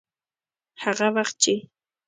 هغه وخت چې.